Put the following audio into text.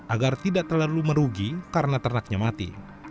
agar tidak terlalu merugi karena ternaknya mati